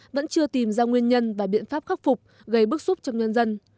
vẫn chưa tìm ra nguyên nhân và biện pháp khắc phục gây bức xúc trong nhân dân